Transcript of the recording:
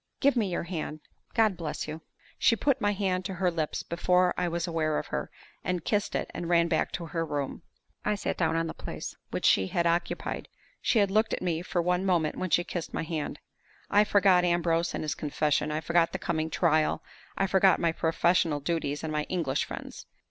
Give me your hand! God bless you!" She put my hand to her lips before I was aware of her, and kissed it, and ran back into her room. I sat down on the place which she had occupied. She had looked at me for one moment when she kissed my hand. I forgot Ambrose and his confession; I forgot the coming trial; I forgot my professional duties and my English friends.